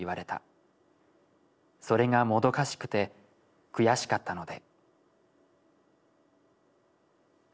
それがもどかしくて悔しかったので」。